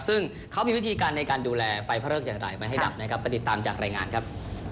ซึ่งเขามีวิธีการในการดูแลไฟเพลิงจากรายมาให้ดับ